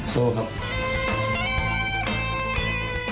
โทรครับ